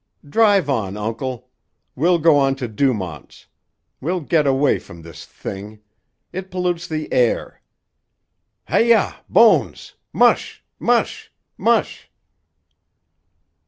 Drive on, Uncle. We'll go on to Dumont's. We'll get away from this thing; it pollutes the air. Hi yah, Bones! Mush, mush, mush!"